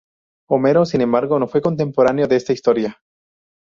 Homero, sin embargo, no fue contemporáneo de esta historia.